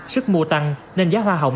sức mua tăng nên giá hoa hồng